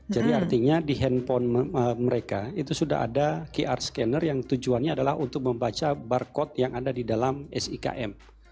jadi artinya di handphone mereka itu sudah ada qr scanner yang tujuannya adalah untuk membaca barcode yang ada di dalam sikm